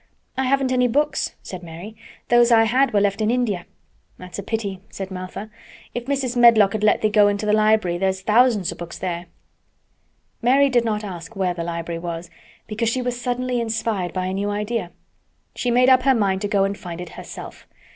"I haven't any books," said Mary. "Those I had were left in India." "That's a pity," said Martha. "If Mrs. Medlock'd let thee go into th' library, there's thousands o' books there." Mary did not ask where the library was, because she was suddenly inspired by a new idea. She made up her mind to go and find it herself.